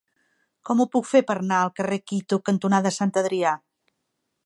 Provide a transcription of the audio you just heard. Com ho puc fer per anar al carrer Quito cantonada Sant Adrià?